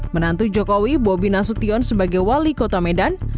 menantu jokowi bobi nasution sebagai wali kota medan